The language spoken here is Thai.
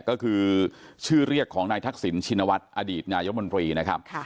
ก็คือชื่อเรียกของนายทักษิณชินวัฒน์อดีตนายมนตรีนะครับ